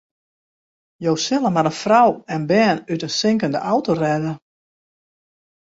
Jo sille mar in frou en bern út in sinkende auto rêde.